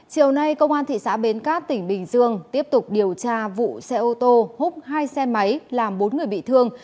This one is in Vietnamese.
chiều nay công an thị xã bến cát tỉnh bình dương tiếp tục điều tra vụ xe ô tô hút hai xe máy làm bốn người bị thương